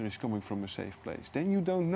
jika air datang dari tempat yang aman